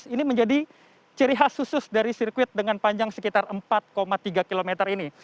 ini menjadi ciri khas khusus dari sirkuit dengan panjang sekitar empat tiga km ini